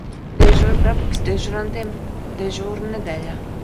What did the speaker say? Dežūrgrafiks dežurantiem dežūru nedēļā.